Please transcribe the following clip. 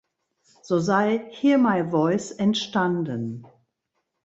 So sei "Hear My Voice" entstanden.